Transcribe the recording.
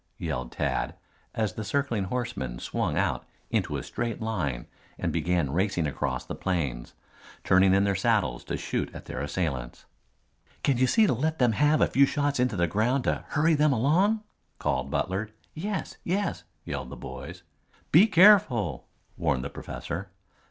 yelled Tad, as the circling horsemen swung out into a straight line and began racing across the plains, turning in their saddles to shoot at their assailants. "Can you see to let them have a few shots into the ground to hurry them along?" called Butler. "Yes, yes," yelled the boys. "Be careful," warned the professor.